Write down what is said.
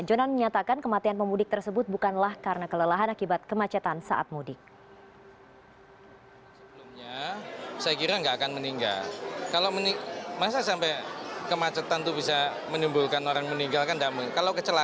jonan menyatakan kematian pemudik tersebut bukanlah karena kelelahan akibat kemacetan saat mudik